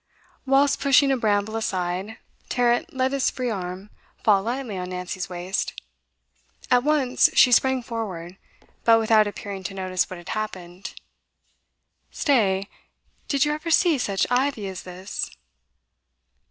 Whilst pushing a bramble aside, Tarrant let his free arm fall lightly on Nancy's waist. At once she sprang forward, but without appearing to notice what had happened. 'Stay did you ever see such ivy as this?